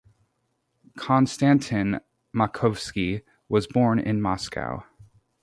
Konstantin Makovsky was born in Moscow.